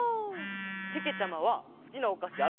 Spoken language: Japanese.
けけちゃまはすきなおかしあるの？